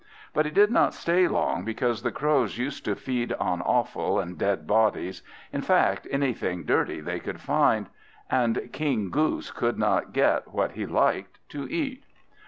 But he did not stay long, because the Crows used to feed on offal and dead bodies, in fact anything dirty they could find; and King Goose could not get what he liked to eat.